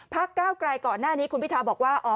ก้าวไกลก่อนหน้านี้คุณพิทาบอกว่า